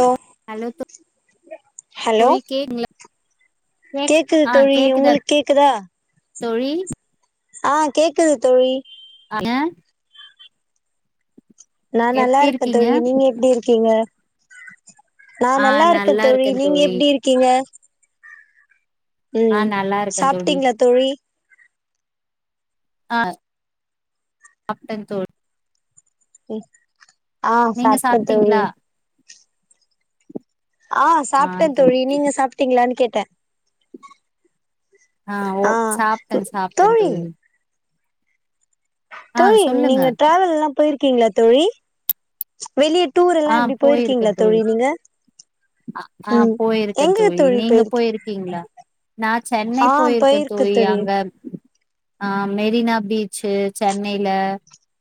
அ hello தோ hello தோழி cake [inaudible] கேக்குது ஆ தோழி கேக்குதா உங்களுக் கேக்குதா தோழி ஆ கேக்குது தோழி ந நா எப்டி நல்லாருக்க இருக்கீங்க தோழி நீங்க எப்டி இருக்கீங்க? நா ஆ நல்லாருக்க நல்லா தோழி இருக்கே நீங்க எப்டி இருக்கீங்க? ஆ ம் நல்லா இருக்கே தோழி சாப்டிங்ளா தோழி? ஆ சாப்ட்ட தோழி ம் ஆ நீங்க சாப்ட தோழி சாப்ட்டீங்களா ஆ சாப்ட தோழி நீங்க சாப்டிங்ளான் கேட் ட ஆ ஓ சாப்டன் சாப்டன் தோழி ஆ தோழி சொல்லுங்க நீங்க ட்ரேவல் எல்லா போயிருக்கீங்களா தோழி வெளிய டூர் எல்லா ஆ இப்டி போயிருக்கீங்களா போயிருக்கந் தோழி நீங்க ஆ ம் போயிருக்கந் எங்க தோழி நீங்க போயிருக்கு போயிருக்கீங்களா நா சென்னை ஆ போயிருக்கந் போயிருக்கு தோழி அங்க ஆ மெரினா பீச்சு சென்னைல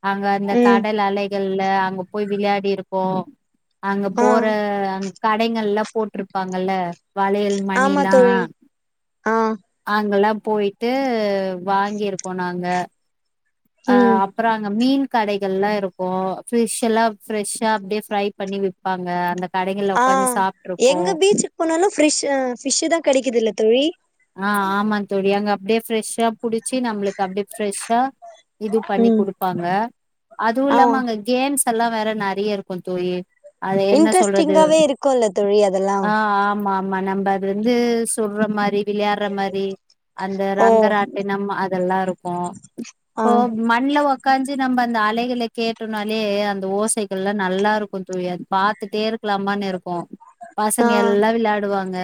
அங்க அந்த ம் கடல் அலை இதுல்ல அங்க போய் விளையாடி இருக் கு அங்க ஆ போற அங் கடைங்கள்லா போட்டுருப்பாங்கல்ல வளையல் ஆமா மணிலா தோழி ஆ அங்கலாம் போயிட்டு வாங்கிருக்கோ நாங்க அ ம் அப்பறோ அங்க மீன் கடைகள் எல்லா இருக்கு பிஷ் எல்லா ஃப்ரெஷ்ஷா அப்டியே ஃப்ரை பண்ணி விப்பாங்க அந்த கடைகள்ல ஆ உக்காந்து சாப்ட்ருக்கோ எங்க பீச்சுக்கு போனாலு ஃபிஷ் ஃபிஷ்ஷுதா கெடைக்குதுல்ல தோழி ஆ ஆமாந்தோழி அங்க அப்டியே ஃப்ரெஷ்ஷா புடுச்சு நம்ளுக் கப்டியே ஃப்ரெஷ்ஷா இது பண்ணி ம் குடுப்பாங்க ஆ அதுவுல்லாம அங்க கேம்ஸ் அதெல்லா வேற நறைய இருக்குந் தோழி அது என்ன சொல்றது இன்ட்ரெஸ்டிங்காவே இருக்குல்ல தோழி அதெல்லா ஆ ஆமா ஆமா நம்ப அது வந்து சொல்ற மாரி விளையாற்ற மாரி அந்த ஓ ரங்கராட்டினம் அதெல்லாருக்கு ஆ இப்போ மண்ல உக்காஞ்சி நம்ப அந்த அலைகள கேட்டோனாலே அந்த ஓசைகள்லா நல்லாருக்குந் தோழி அது பாத்துட்டே இருக்கலா [unintelligible] இருக்கு ஆ பசங்க எல்லா விளையாடுவாங் ங்க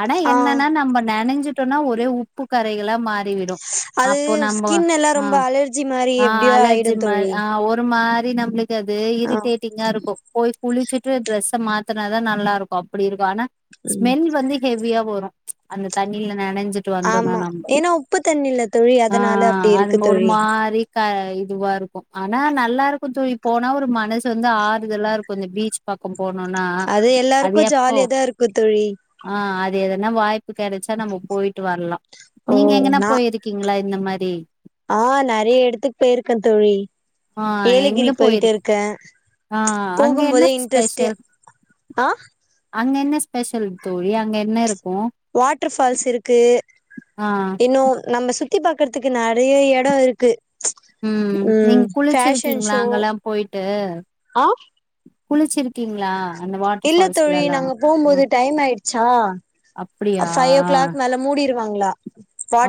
ஆனா ஆ என்னன்னா நம்ப நணஞ்சிட்டோனா ஒரே உப்பு கரைகலா மார் மாரிவிடு அது அப்போ நம்போ ஸ்கின் எல்லா அ ரொம்ப அலர்ஜி மாரி அ எப்டியோ ஆயிடு அலர்ஜிமா தோழி அ ஒரு மார் து நம்ளு அது ஆ இரிடேடிங்கா இருக்கு போய் குளுச்சுட்டு டிரெஸ்ஸ மாத்துனாதா நல்லாருக்கு அப்டிருக்கு ஆனா ம் ஸ்மெல் வந்து ஹெவியா வரு அந்த தண்ணில நெனஞ் ஆமா ஏனா உப்பு தண்ணில தோழி ஆ அதுனால அப்பிடி அது இருக்கு ஒரு தோழி மாரி க இதுவாருக்கோ ஆனா நல்லாருக்கோ தோழி போனா ஒரு மனசு வந்து ஆறுதலாருக்கோ இந்த பீச் பக்கம் அது எல்லாருக்ககு ஜாலியாதாருக்கு தோழி து எதனா வாய் கெடச்சா நம்ம போய்ட்டு வரலா ஓ நீங்க எங்கனா நா போயிருக்கீங்ளா இந்த மாரி ஆ நெறய எடத்துக்கு போய்ருக்கே தோழி ஆ எங்க ஏலகிரி போயிரு போய்டுருக்கே ஆ அங்க போகும் என்ன போதே ஸ்பெஷல் இன்ட்ரெஸ்ட்டு ஆ அங்க என்ன ஸ்பெஷல் தோழி அங்க என்னருக்கு வாட்டர் ஃபால்ஸ் இருக்கு ஆ இன்னோ நம்ஸ் சுத்தி பாக்கற்துக்கு நெறிய எடோ இருக்கு ம் நீங்க ஃபேஷன் குளிச்சிருக்கீங்ளா ஷோ அங்கலா போய்ட்டு ஆ குளிச்சிருக்கீங்ளா இல்ல தோழி நாங்க போம்போது டைம் ஆயிடுச்சா அப்டியா ஃபைவ் ஓ கிளாக் மேல மூடிருவாங்ளா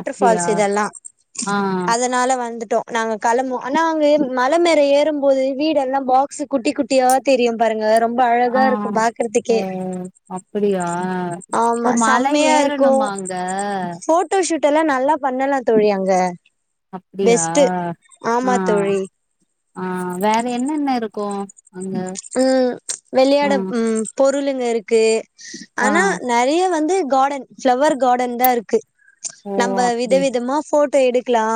அப்டியா இதெல்லா ஆ அதனால வ வந்துட்டோ நாங்க கிளம்போ ஆனா அங்க மல மேல ஏறும்போது வீடெல்லா பாக்ஸு குட்டி குட்டியா தெரியு பாருங்க ரொம்ப ஆ அழகா இருக்கு ஓ பாக்கறதுக்கே அப்பிடியா இப்போ ஆமா மா மலை செம்மையா ஏறணுமா அங்க ட்டுல்லா நல்லா பண்ணலா தோழி அங்க அப்டியா பெஸ்ட்டு ஆ ஆமா தோழி ஆ வேற என்னன்ன இருக்கு அங்க ம் ஆ வெளையாட ம் போ ளுங்க இருக் க்கு ஆ ஆனா நெறைய வந்து கார்டன் ஃப்ளவர் கார்டன் தா இருக்கு ஓ நம்ம வித அப்டி விதமா ஃபோட் த்த எடுக்கலா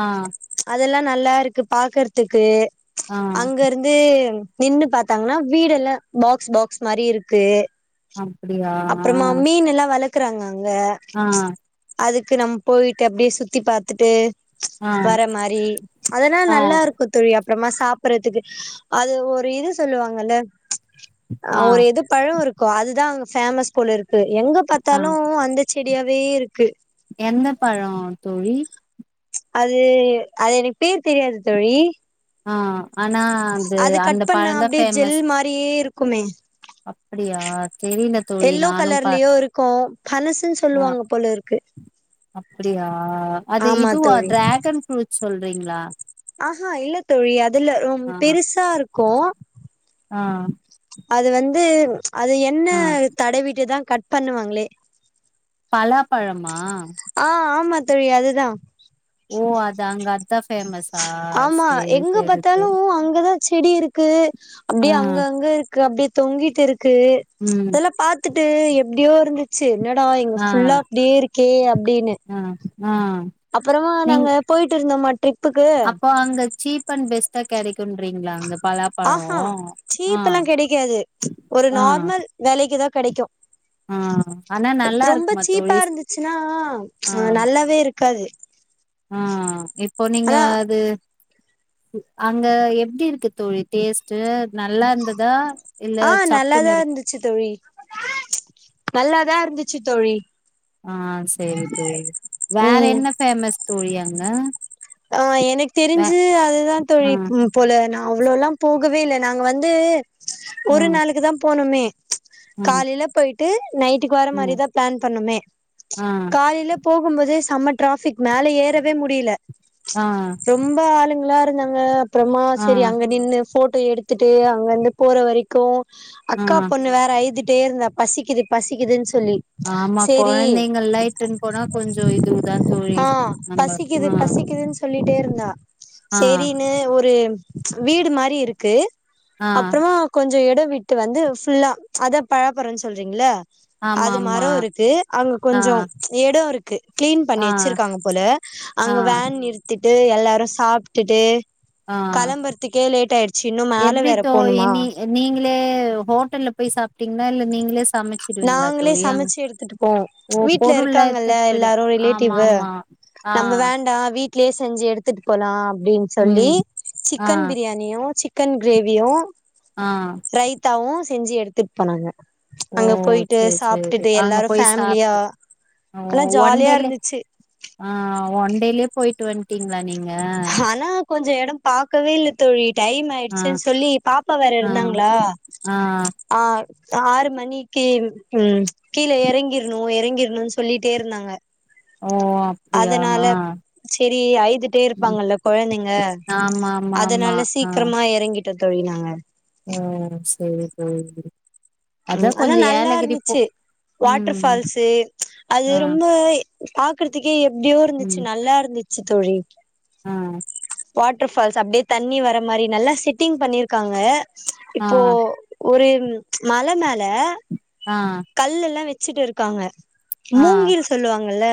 ஆ அதெல்லா நல்லா இருக்கு பாக்றதுக்கு ஆ அங்க இருந்து நின்னு பாத்தாங்கனா வீடு எல்லா ஃபாக்ஸ் ஃபாக்ஸ் மாரி இருக்கு ஆ அப்றம்மா மீனுல்லா வளத் க்கறங்க ங்க ஆ அதுக் க்கு நம்ம போயிட்டு அப்டியே சுத்தி பாத்துட்டு ஆ வர மாரி அதெல்லா ஆ ஆ நல்லா இருக்கோ தோழி அப்றமா சாப்பறத்துக்கு அது ஒரு இது சொல்லுவாங்கல்ல ஆ ஒரு எதோ பழோ இருக் ஓ அதுதா ம் ஃபேமஸ் போல இருக் எங்க ஆ பாத்தாலு அந்த ச்செடி டியாவே இருக்கு எந்த பழோ தோழி அது அது ரிப்பேர் தெரியாது தோழி ஆ ஆனா அது கட் அந்த பண்ண பழந்தா அப்டியே ஜெல் ஃபேமஸ் மாரியே இருக்குமே அப்டியா தெரில தோழி யெல்லோ நானு ப கலர்லயோ இருக்கோ பனசுன் சொல்லுவாங்க போல இருக் அப்படியா அது ஆமா இதுவ தோழி டிராகன் ஃப்ரூட்ஸ் சொல் றிங்களா ஆஹா இல்ல தோழி அதுல்ல ரொ ஆ பெருசா இருக்கும் ஆ அது வந்து அது எண்ணெ ஆ தடவிட்டு தா கட் பண்ணுவாங்களே பலாப்பழமா ஆ ஆமா த் தோழி அது தா ஓ அது அங்க அதா ஃபேமஸ் ஆமா எங்க பாத்தாலும் அங்கதா ச்செடி இருக் கு ஆ அப்டியே அங்க அங்க இருக்கு அப்டியே தொங்கிட்டு இருக் கு ம் அதெல்லா பாத்துட் டு எப்டியோ இருந்துச்சு ட்டு என்னடா இங் ஃபு ஆ ஃபுல்லா அப்டியே இருக். கேய் அப் ப்டின்னு ஆ ஆ அப்புறோ நாங்க போயிட்டு இருந்தோமா ட்ரிப்புக்கு அப்ப அங்க சீப் அண்ட் பெஸ்ட்டா கெடைக் குன்றீங்களா அங்க பலாப்பழோ ஆஹா ஆ சீப் எல்லா கெடைக்காது ஒரு ஆ நார்மல் வெலைக்கிதா கெடைக்கு ஆ ஆனா அ நல்லா ரொம்ப இருக்குமா சீப்பா தோழி இருந்துச்சுன்னா ஆ நல்லாவே இரு க்காது ஆ இப்ப நீங்க அது ம் அங்க எப்டி இருக்கு தோழி டேஸ்ட்டு நல்லா இருந்ததா இல்ல ஆ சப்புன்னு நல்லாதா இரு இருந்துச்சு தோழி நல்லாதா இருந்து ச்சு தோழி ஆ செரி தோழி வேற ம் என்ன ஃபேமஸ் தோழி அ ங்க ஆ எனக்கு தெரிஞ்சு அதுதா ஆ தோழி ம் போல நா அவ்ளோ எல்லாம் போகவே இல்ல நாங்க வந்து ஆ ஒரு நாளுக்குதா போனமே [inaudible] காலைல போய் ட்டு நைட்டுக்கு வர மாரிதா பிளான் பண்ணமே ஆ காலைல போகும்போது செம டிராஃபிக் மேல ஏறவே முடியல ஆ ஆ ரொம்ப ஆளுங் கல்லா இருந்தாங்க அப்புறமா ஆ சேரி அங்க நின்னு ஃபோட் டோ எடுத்துட்டு அங்க இருந்து போற வரைக்கு ஆ அக்கா பொண்ணு வேற அய்துட் டே இருந்தா பசிக்குது பசிக்குதுன் ஆமா கொழந்தைங்க எல்லா இட்டுனு போனா கொஞ்ச இதுதா தோழி நம்ம ஆ குனு சொல்லிட்டே இருந்தா ஆ சேரின்னு ஒரு வீடு மாரி இருக்கு ஆ அப்புறமா கொஞ்ச எ டோ விட்டு வந்து ஃபுல்லா அதா பலாப்பழன்னு சொல்றீங்கல்ல அது ஆமாமா மரம் இருக்கு அங்க ஆ கொஞ்சம் இடம் இருக் கு கிளீன் பண்ணி ஆ வச்சிருக்காங்க போல ஆ அங்க வேன் நிறுத்திட்டு எல்லாரு சாப்பிட்டுட்டு ஆ இன்னு மேல வேற எப்டித்தோ போணுமா இனி நீங்களே ஹோ ட்டல்ல போய் சாப்பிட்டீங்கன்னா இல்ல நீங்களே சமைச்சிடுவீங்களா நாங்களே தோழி அங் சமைச்சு எடுத்துட்டுப்போம் ஓ வீட்ல பொருள்லா இருக்காங்கல்ல எடுத்துட்டு போயிடு எல்லாரு ரிலேட்டிவ் ஆமா ஆமா ஆ நம்ம வேண்டாம் வீட் லயே செஞ்சு எடுத்துட்டு போலாம் அப்டின்னு சொல்லி ம் ஆ சிக்கன் பிரியாணியும் சிக் சிக்கன் கிரேவியும் ஆ ரைத்தாவும் செஞ்சு எடுத்துட்டு போனாங்க ஓ அங்க போயிட்டு சேரி சேரி சாப்ட்டுட்டு அங்க எல்லாரு போய் ஃபேமிலியா சாப்பிட்டு ஆனா ஒன் ஜாலியா டேலயே இருந்துச்சு ஆ ஒன் டேய்லியும் போயிட்டு வந்துட்டீங்களா நீங்க கொஞ்சோ இடம் பாக்கவே இல்ல தோழி டைம் ஆ ஆயிடுச்சுன்னு சொல்லி பாப்பா வேற ஆ இருந்தாங்களா ஆ ஆ ஆறு மணிக்கு ம் கீழ இறங்கிறனும் இறங்கிறனும்னு சொல்லிட்டே இருந்தாங்க ஓ அப்டியா அதனால ஆ செரி அழுதுட்டே ம் இருப்பாங்கல்ல கொழந்தைங்க ஆமா ஆமா ஆமா அதனால சீக்கிரமா இறங்கி ட்டன் தோழினாங்க ம் சேரி தோழி அதா ம் ஆனா கொஞ்சோ நல்லா ஏலகிரி போ இருந்துச்சு வாட்டர் ம் பால்ஸு அது ஆ ரொம்ப பாக் [unintelligible] [unintelligible] எப்டியோ இருந்துச்சு நல்லா இருந்து ச் தோழி ம் வாட்டர்ஃபால்ஸ் அப்டியே தண்ணி வர மாரி நல்லா செட்டிங் பண்ணிருக்காங்க ஆ இப்போ ஒரு ம் மலை மேல ஆ கல் எல்லா வச் சிட்டு இருக்காங்க ஆ மூங்கில் சொல்லுவாங்கல்ல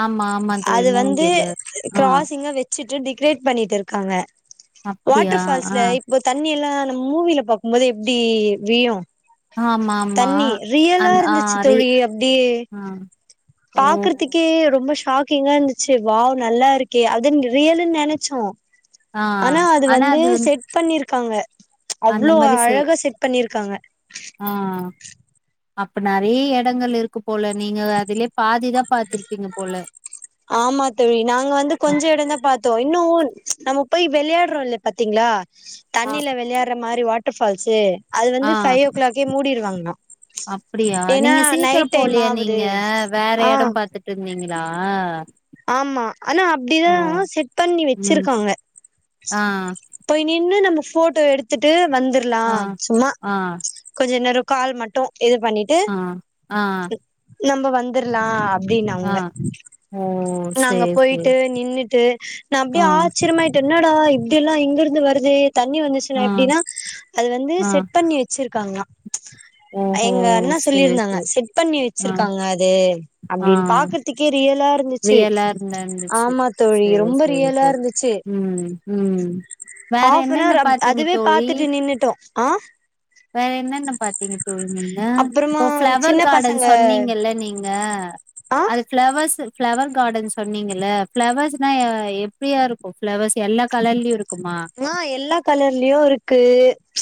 ஆமா ஆமா தோழி அது வந்து மூங்கிலு ஆ க்ராசிங்கா வச்சுட்டு கிரியேட் பண்ணிட்டு இருக்காங்க அப்டியா வாட்டர் ஆ ஃபால்ஸ்ல இப்போ தண்ணி எல்லா நம்ம மூவியில பாக்கும் போது எப்டி வியோ ஆமா ஆமா ரியலா அந் ஆ இருந்துச்சு ரீ தோழி அப்டியே ஆ ஓ பாக்றத்துக்கே ரொம்ப ஷாக்கிங்கா இருந்துச்சு வாவ் நல்லா இருக்கே அதுன் ரியலுன் நெனச்சோ ஆ ஆனா அது வந்து செட் பண்ணிருக் காங்க அந்த அவ்ளோ மாரி செ அழகா செட் பண்ணிருக்காங்க ஆ அப்ப நறைய எடங்கள் இருக்கு போல நீங்க அதுலே பாதிதா பாத்திருப்பீங்க போல ஆமா தோழி நாங்க வந்து ஆ கொஞ்சொ எடொந்தா பாத்தோ இன்னூ நம போய் வெள்யாட்றொல்ல பாத்திங்ளா தண்ணில வெளயார்ற மாரி வா ட்ட ஃபால்ஸு அது ஆ வந்து ஃபை ஓ க்ளாக்கே மூடிடுவாங்ளா அப்டியா ஏனா நீங்க நைட் டைம் ஆவுது ற ஆ எடம் பாத்துட்ருந்தீங்களா? ஆமா ஆனா அப்டிதா செட் பண்ணி ம் வச்சிருக்காங்க ஆ பொய் நின்னு நம்ம ஃபோட்டோ எடுத்துட்டு வந்துர்லா ஆ சும்மா ஆ கொஞ்ச நேரொ கால் மட்டு இது பண்ணிட்டு ஆ ஆ நம்ப வந்துர்லா அ ப்டின்னாங்க ஆ ஓ நாங்க சேரி சேரி போயிட்டு நின்னுட்டு நா ஆ அப்டியே ஆச்சரியமா என்னடா இப்டில்லா இங்கிருந்து வருதே தண்ணி ஆ வந்துச்சுனா எப்டின்னா அது வந்து ஆ செட் பண்ணி வச்சிரு க்காங்ளா ஓஹோ எங்க அண்ண சேரி சொல்லிருந்தாங்க சேரி செட் பண்ணி ஆ வச்சிருக்காங்க அது ஆ அப்டின் பாக்குறதுக்கே ரியலா இருந்துச்சு ரியலா இருந்தா இருந்துச்சு ஆமா தோழி சேரி ரொம்ப சேரி ரியலா தோழி இருந்துச்சு ம் ம் வேற ஹாஃப் அன் என்னென்ன அவர் பாத்தீங்க அதுவே தோழி பாத்துட்டு நின்னுட்டோ ஆ வேற என்னென்ன பாத்தீங்க தோழி நீங்க அப்புறமா இப்போ ஃப்ளவர் சின்ன கார்டன் பசங்க சொன்னீங்கல்ல நீங்க ஆ அது ஃப்ளவர்ஸு ஃப்ளவர் கார்டன் சொன்னீங்கல்ல ஃப்ளவர்ஸுனா எப்டியா இருக்கு ஃப்ளவர்ஸ் எல்லா கலர்லயு இரு ஆ எல்லா கலர்லயு இருக்கு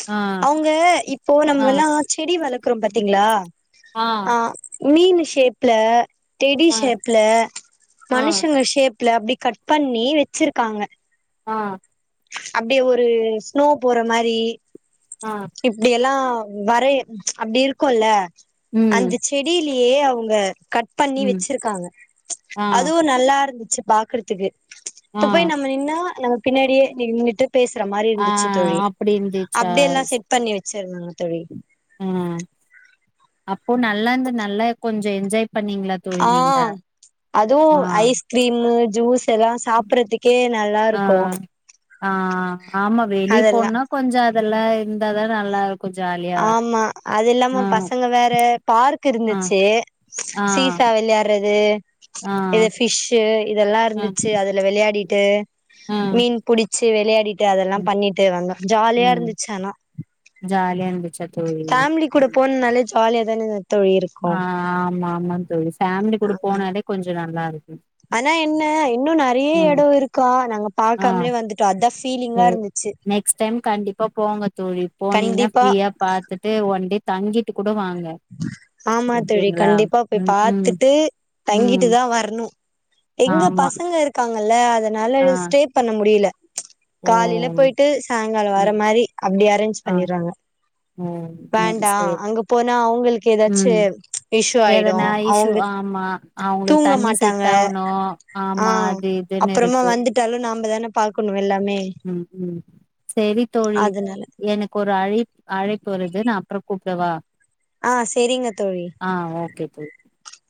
ஆ அவுங்க இப்போ ஆ நம்மல்லா செடி வளக் குறொம் பாத்திங்ளா ஆ அ மீனு ஷேப்ல டெடி ஆ ஷேப்ல ஆ மனுஷங்க ஷேப்ல அப்டி கட் பண்ணி வச்சிருக்காங்க ஆ அப்டி ஒரு ஸ்னோ போற மாரி ஆ இப்டி எல்லா வரே அப்டி இருக்குல்ல ம் அந்த செடிலே ஏ அவுங்க கட் பண்ணி ம் வச்சிருக்காங்க ஆ அதுவும் நல்லா இருந்து பாக்குறதுக்கு இப்ப ஆ போய் நம்ம நின்னா [unintelligible] பின்னாடியே நின்னுட்டு பேசுற மாரி ஆ இருந்துச்சு தோழி அப்டி இருந்துச்சா அப்டி எல்லா செட் அப்டியே வச்சுருங்க தோழி ஆ அப்போ நல்லாந்து நல்லா கொஞ்ச என்ஜாய் பண்ணீங்களா தோழி ஆ நீங்க ஆ அதுவும் ஐஸ் கிரீமு ஜூஸ் இதெல்லா சாப்டுறதுக்கே நல்லா ஆ இருக்கும் ஆ ஆம்மா வெளிய போன்னா கொஞ்ச அத அதெல்லா இருந்தா தா நல்லா இருக் ஆம்மா அது இல்லாம பசங்க வேற பார்க் ஆ இருந்துச்சு ஆ சீசா விளையாடுறது ஆ இது பிஷ்சு இதெல்லா ஆ இருந்துச்சு அதுல விளையாடி ட்டு ஆ மீன் புடிச்சு விளையாடிட்டு அதெல்லா ம் பண்ணிட்டு வந்தோ ஜாலியா இருந்துச்சு ஆனா ஜாலியாருந்து ஃபேமிலி கூட போனனால ஜாலி காலியா தா நின்னு ஆம்மா ஆமா தோழி ஃபேமிலி கூட போனாலே கொஞ்ச நல்லா இரு [inaudible] ஆனா என்ன இன்னு நெறைய ம் எடோ இருக்கா நாங்க ஆ பாக்காமலே வந்துட்டோ அதா ஃபீலிங்கா சேர் இருந்துச்சு நெக்ஸ்ட் டைம் கண்டிப்பா போங்க தோழி போனீங்னா கண்டிப்பா ஃப்ரீயா பாத்துட்டு ஒன்டே தங்கிட்டு கூட வாங்க ஆமா தோழி ஓகேங்களா கண்டிப்பா போய் ம் ம் பாத்துட்டு ம் தங்கிட்டுதா வர்ணு எங்க ஆமா பசங்க இரு க்காங்கள்ள அத னால ஆ ஸ்டே பண்ண முடியில ஓ காலில போயிட்டு சாய்ங்கால வர ம் மாரி அப்டி அரேஞ்ச் ஆ பண்ணிறாங்க ஓ ம் வேண்டா சேரி அங்க போ ம் ஆயிடு எதனா இஷ்யு அவங்க ஆமா அவுங்களுக்கு தூங்க தண்ணி மாட்டாங்க செட் ஆவனு ஆ ஆமா அது இதுன் அப்புறமா இருக்கு வந்துட்டாலு நாம தான பாக்கணு எல்லாமே ம் ம் செரி தோழி அதனால எனக்கு ஒரு அழை அழைப்பு வருது நா அப்ற கூப்டவா ஆ செரிங்க தோழி [unintelligible]